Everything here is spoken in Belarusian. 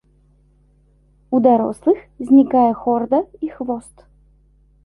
У дарослых знікае хорда і хвост.